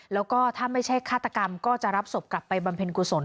แล้วก็ถ้าไม่ใช่ฆาตกรรมก็จะรับศพกลับไปบำเพ็ญกุศล